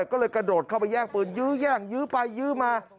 ก็เลยกระโดดเข้าไปแย่งปืนยื้อแย่งยื้อไปยื้อมา